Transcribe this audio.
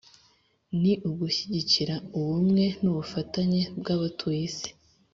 ni ugushyigikira ubumwe n’ubufatanye bw’abatuye isi